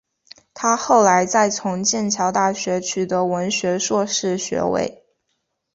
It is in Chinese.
她后来再从剑桥大学取得文学硕士学位。